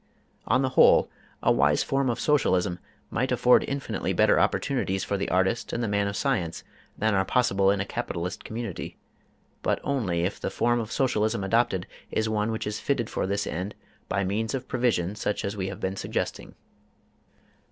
On the whole, a wise form of Socialism might afford infinitely better opportunities for the artist and the man of science than are possible in a capitalist community, but only if the form of Socialism adopted is one which is fitted for this end by means of provisions such as we have been suggesting.